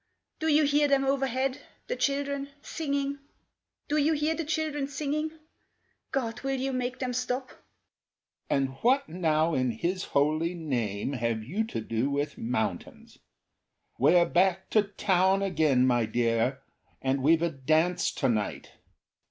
Do you hear them overhead the children singing? Do you hear the children singing? ... God, will you make them stop!" "And what now in his holy name have you to do with mountains? We're back to town again, my dear, and we've a dance tonight.